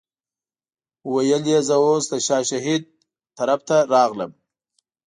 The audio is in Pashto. ویل یې زه اوس د شاه شهید طرف ته راغلم.